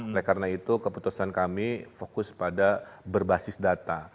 oleh karena itu keputusan kami fokus pada berbasis data